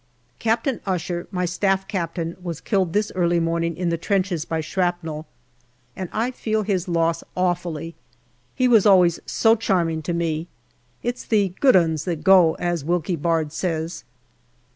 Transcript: Captain Usher, my Staff Captain, was killed this early morning in the trenches by shrapnel, and I feel his loss awfully. He was always so charming to me. It's the " good uns " that go, as Wilkie Bard says.